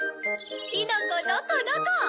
きのこのこのこ！